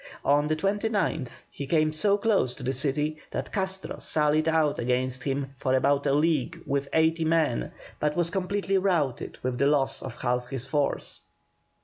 On the 29th he came so close to the city that Castro sallied out against him for about a league with eighty men, but was completely routed, with the loss of half his force.